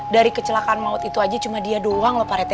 dari kecelakaan maut itu aja cuma dia doang loh paretnya